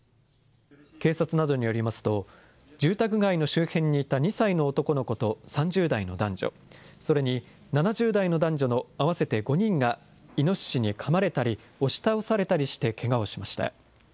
警察などによりますと、住宅街の周辺にいた２歳の男の子と３０代の男女、それに７０代の男女の合わせて５人がイノシシにかまれたり押し倒されたりしてけがをしました。